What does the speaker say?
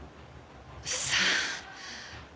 さあ。